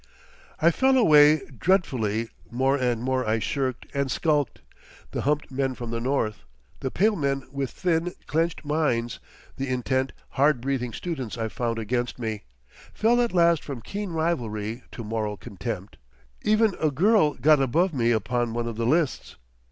I fell away dreadfully, more and more I shirked and skulked; the humped men from the north, the pale men with thin, clenched minds, the intent, hard breathing students I found against me, fell at last from keen rivalry to moral contempt. Even a girl got above me upon one of the lists.